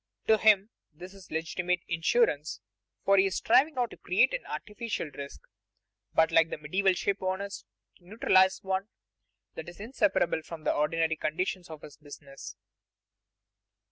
To him this is legitimate insurance, for he is striving not to create an artificial risk, but like the medieval ship owners, to neutralize one that is inseparable from the ordinary conditions of his business.